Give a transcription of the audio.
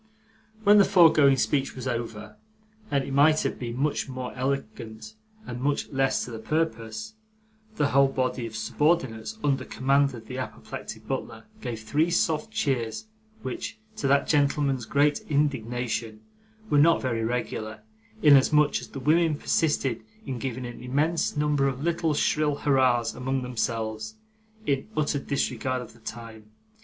When the foregoing speech was over and it might have been much more elegant and much less to the purpose the whole body of subordinates under command of the apoplectic butler gave three soft cheers; which, to that gentleman's great indignation, were not very regular, inasmuch as the women persisted in giving an immense number of little shrill hurrahs among themselves, in utter disregard of the time.